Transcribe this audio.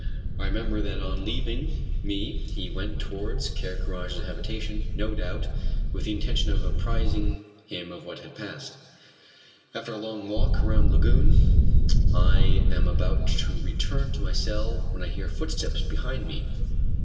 I remember that on leaving me he went towards Ker Karraje's habitation, no doubt with the intention of apprising him of what had passed. After a rather long walk around the lagoon I am about to return to my cell, when I hear footsteps behind me.